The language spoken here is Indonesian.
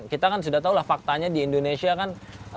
kita kan sudah tahulah faktanya di indonesia kan